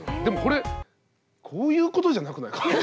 でもこれこういうことじゃなくないか？